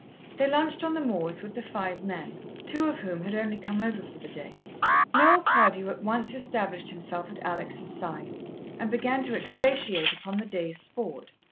They lunched on the moors with the five men, two of whom had only come over for the day. Noel Cardew at once established himself at Alex' side and began to expatiate upon the day's sport.